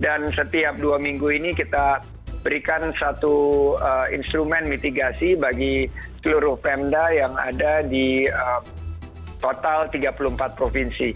dan setiap dua minggu ini kita berikan satu instrumen mitigasi bagi seluruh pemda yang ada di total tiga puluh empat provinsi